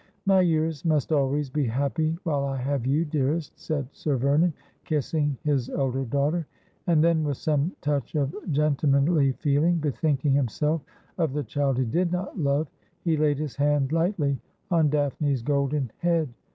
' My years must always be happy while I have you, dearest,' said Sir Vernon, kissing his elder daughter ; and then, with some touch of gentlemanly feeling, bethinking himself of the child he did not love, he laid his hand hghtly on Daphne's golden head.